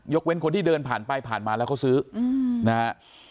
เว้นคนที่เดินผ่านไปผ่านมาแล้วเขาซื้อนะฮะ